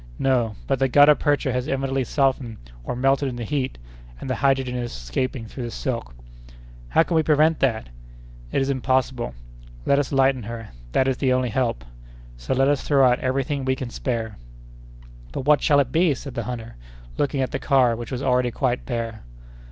"No, but the gutta percha has evidently softened or melted in the heat, and the hydrogen is escaping through the silk." "How can we prevent that?" "It is impossible. Let us lighten her. That is the only help. So let us throw out every thing we can spare." "But what shall it be?" said the hunter, looking at the car, which was already quite bare.